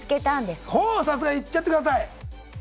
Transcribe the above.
ほうさすが！言っちゃってください！